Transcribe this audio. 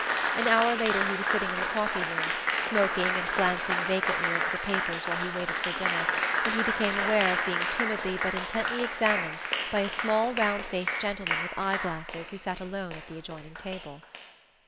An hour later he was sitting in the coffee room, smoking and glancing vacantly over the papers while he waited for dinner, when he became aware of being timidly but intently examined by a small round faced gentleman with eyeglasses who sat alone at the adjoining table.